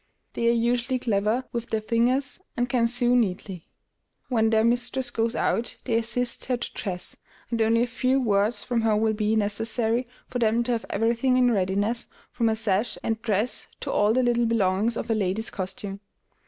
They are usually clever with their fingers, and can sew neatly. When their mistress goes out they assist her to dress, and only a few words from her will be necessary for them to have everything in readiness, from her sash and dress to all the little belongings of a lady's costume.